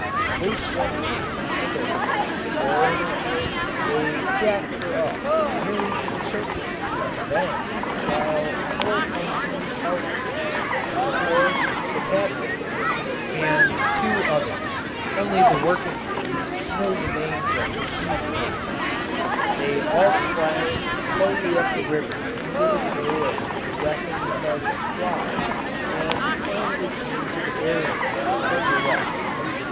They swung chains under her, fore and aft, they "jacked her up" nearly to the surface, and then, while four pontoons held her, the Pinafore, the Catamaran, and two others (only the working crews know the names of these pontoons), they all splashed slowly up the river under tow of the wrecking tug Fly, and finally came to the burying ground of wrecks.